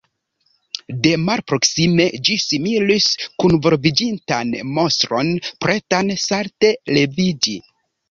De malproksime ĝi similis kunvolviĝintan monstron, pretan salte leviĝi.